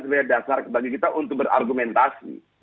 sebenarnya dasar bagi kita untuk berargumentasi